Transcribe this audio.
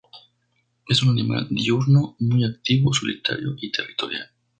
Es un animal diurno, muy activo, solitario y territorial.